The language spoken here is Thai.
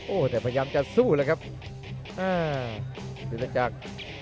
โอ้ยแต่พยายามจะสู้เลยครับอ่ามือดนักจักร